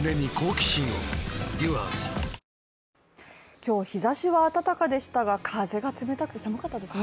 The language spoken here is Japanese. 今日、日ざしは暖かでしたが風が冷たくて寒かったですね。